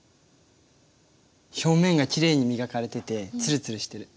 表面がきれいに磨かれててつるつるしてる。